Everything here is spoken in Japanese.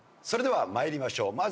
それでは参りましょう。